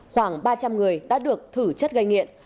khoảng ba trăm linh người đã được thử chất gây nghiện